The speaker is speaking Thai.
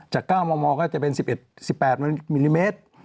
จากก้าวมัวมอวก็จะเป็นสิบแปดมิลลิเมตร